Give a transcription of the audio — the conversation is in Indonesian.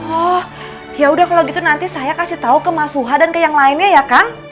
oh yaudah kalau gitu nanti saya kasih tau ke mas huha dan ke yang lainnya ya kang